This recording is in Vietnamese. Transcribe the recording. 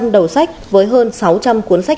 đầu sách với hơn sáu trăm linh cuốn sách